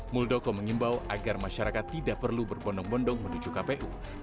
muldoko mengimbau agar masyarakat tidak perlu berbondong bondong menuju kpu